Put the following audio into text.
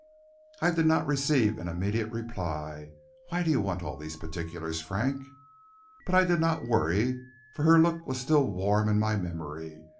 "I did not receive an immediate reply (why do you want all these particulars, Frank?); but I did not worry, for her look was still warm in my memory.